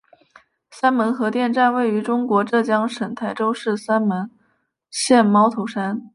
三门核电站位于中国浙江省台州市三门县猫头山。